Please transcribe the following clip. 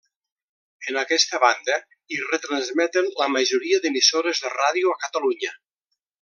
En aquesta banda hi retransmeten la majoria d'emissores de ràdio a Catalunya.